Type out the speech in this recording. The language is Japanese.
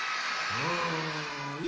はい！